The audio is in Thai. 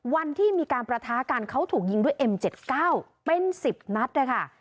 วันที่มีการประทะการเขาถูกยิงด้วยเอ็มเจ็ดเก้าเป็นสิบนัดเลยค่ะ